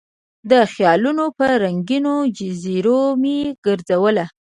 د خیالونو په رنګینو جزیرو مې ګرزوله